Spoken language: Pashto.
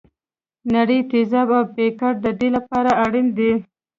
نري تیزاب او بیکر د دې لپاره اړین دي.